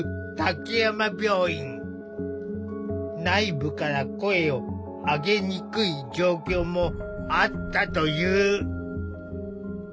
内部から声を上げにくい状況もあったという。